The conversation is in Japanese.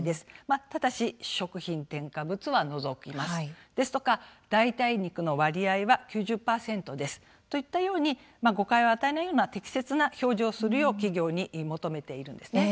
ただし食品添加物は除きますですとか代替肉の割合は９０％ですといったように誤解を与えないよう適切な表示をするよう企業に求めているんです。